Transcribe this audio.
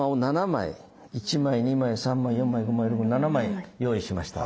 １枚２枚３枚４枚５枚６枚７枚用意しました。